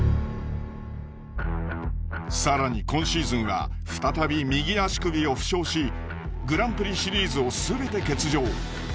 更に今シーズンは再び右足首を負傷しグランプリシリーズを全て欠場。